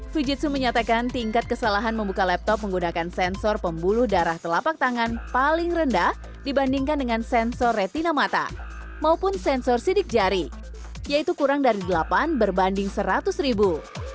fujitsu menyatakan tingkat kesalahan membuka laptop menggunakan sensor pembuluh darah telapak tangan paling rendah dibandingkan dengan sensor retina mata maupun sensor sidik jari yaitu kurang dari delapan berbanding seratus ribu